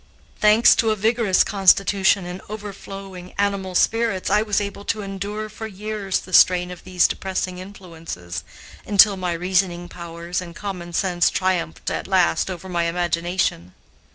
Thanks to a vigorous constitution and overflowing animal spirits, I was able to endure for years the strain of these depressing influences, until my reasoning powers and common sense triumphed at last over my imagination.